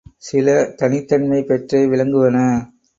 சில தனித் தன்மை பெற்றே விளங்குவன.